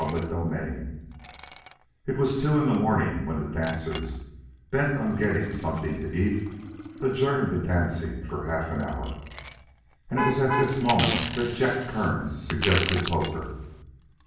CHAPTER II It was two in the morning when the dancers, bent on getting something to eat, adjourned the dancing for half an hour. And it was at this moment that Jack Kearns suggested poker.